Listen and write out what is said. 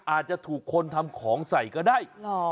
อาจจะถูกคนทำของใส่ก็ได้